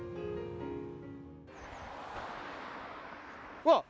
うわっ！